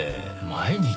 毎日？